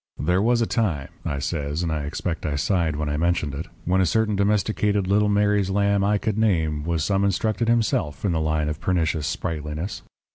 "'There was a time,' I says, and I expect I sighed when I mentioned it, 'when a certain domesticated little Mary's lamb I could name was some instructed himself in the line of pernicious sprightliness.